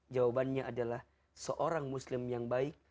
jawabannya adalah seorang muslim yang baik